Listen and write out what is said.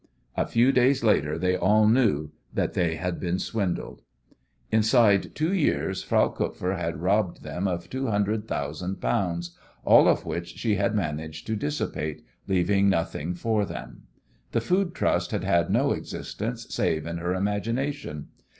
A few days later they all knew that they had been swindled. Inside two years Frau Kupfer had robbed them of two hundred thousand pounds, all of which she had managed to dissipate, leaving nothing for them. The Food Trust had had no existence save in her imagination.